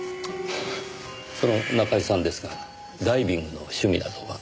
その中居さんですがダイビングの趣味などは？